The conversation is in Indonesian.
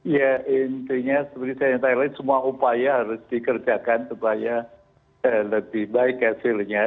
ya intinya seperti saya yang tadi semua upaya harus dikerjakan supaya lebih baik hasilnya